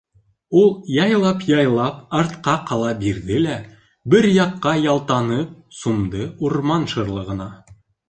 Ул яйлап-яйлап артҡа ҡала бирҙе лә, бер яҡҡа ялтанып, сумды урман шырлығына.